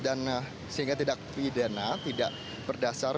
dan sehingga tidak pidana tidak berdasar